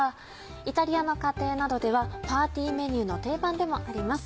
イタリアの家庭などではパーティーメニューの定番でもあります。